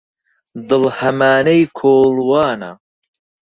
دڵ هەمانەی کۆڵوانە